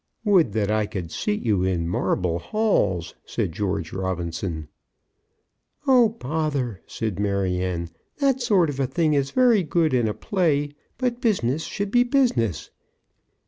"Would that I could seat you in marble halls!" said George Robinson. "Oh, bother!" said Maryanne. "That sort of a thing is very good in a play, but business should be business."